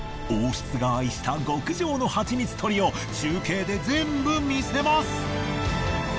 王室が愛した極上のハチミツ採りを中継で全部見せます！